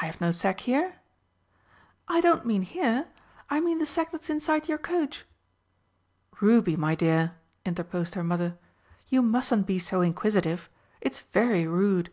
I have no sack here." "I don't mean here. I mean the sack that's inside your coach." "Ruby, my dear," interposed her mother, "you mustn't be so inquisitive. It's very rude."